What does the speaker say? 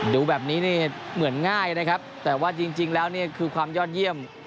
ดูแบบนี้นี่เหมือนง่ายนะครับแต่ว่าจริงแล้วนี่คือความยอดเยี่ยม